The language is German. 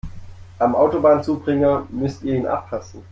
Am Autobahnzubringer müsst ihr ihn abpassen.